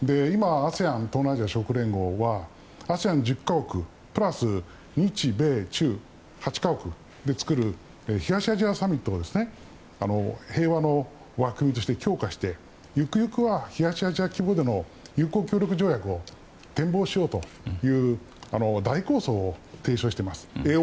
今、ＡＳＥＡＮ・東南アジア諸国連合はＡＳＥＡＮ１０か国プラス日米中の８か国で作る東アジアサミットを平和の枠組みとして強化してゆくゆくは東アジア規模での友好協力条約を展望しようという大構想を提唱しています。